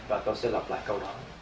và tôi sẽ lặp lại câu đó